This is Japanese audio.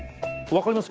分かります？